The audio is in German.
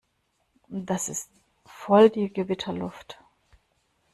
Das ist voll die Gewitterluft.